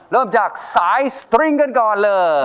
เริ่มจากสายสตริงกันก่อนเลย